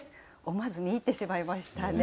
思わず見入ってしまいましたね。